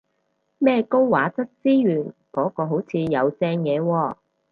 咩高畫質資源嗰個好似有正嘢喎